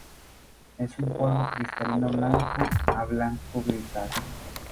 Es un polvo cristalino blanco a blanco grisáceo.